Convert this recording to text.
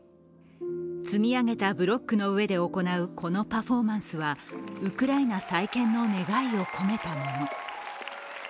積み上げたブロックの上で行うこのパフォーマンスはウクライナ再建の願いを込めたもの。